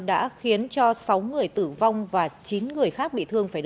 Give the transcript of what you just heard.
đã khiến cho sáu người tử vong và chín người khác bị thương